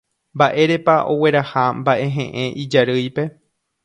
Mba'érepa ogueraha mba'ehe'ẽ ijarýipe.